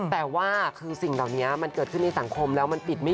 แต่ว่าคือสิ่งเหล่านี้มันเกิดขึ้นในสังคมแล้ว